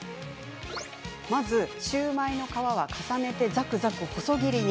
まず、シューマイの皮は重ねてざくざく細切りに。